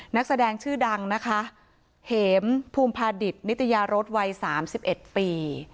นักแสดงชื่อดังนะคะเหมภูมิภาดิตนิตยารสวัย๓๑ปี